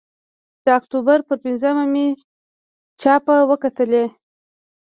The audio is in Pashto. د اکتوبر پر پینځمه مې چاپه وکتلې.